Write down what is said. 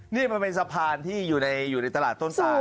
นี่มันเป็นสะพานที่อยู่ในตลาดต้นสาย